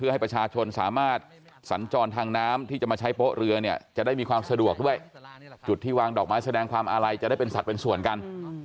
ให้ประชาชนสามารถสัญจรทางน้ำที่จะมาใช้โป๊ะเรือเนี่ยจะได้มีความสะดวกด้วยจุดที่วางดอกไม้แสดงความอาลัยจะได้เป็นสัตว์เป็นส่วนกัน